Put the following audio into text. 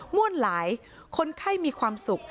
มวลหลายคนไข้มีความสุข